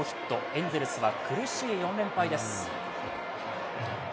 エンゼルスは、苦しい４連敗です。